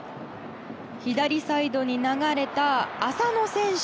左サイドに流れた浅野選手。